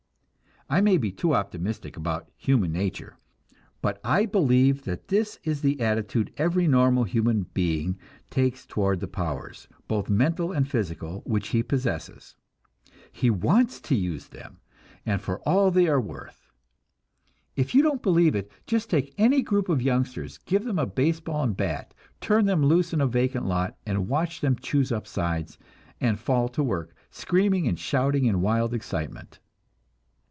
I may be too optimistic about "human nature," but I believe that this is the attitude every normal human being takes toward the powers, both mental and physical, which he possesses; he wants to use them, and for all they are worth. If you don't believe it, just take any group of youngsters, give them a baseball and bat, turn them loose in a vacant lot, and watch them "choose up sides" and fall to work, screaming and shouting in wild excitement!